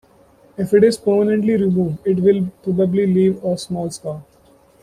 If it is permanently removed it will probably leave a small scar.